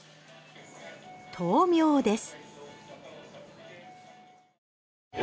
豆苗です。